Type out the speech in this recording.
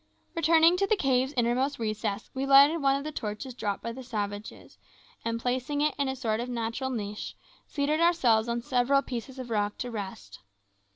Returning into the cave's innermost recess, we lighted one of the torches dropped by the savages, and placing it in a sort of natural niche, seated ourselves on several pieces of rock to rest.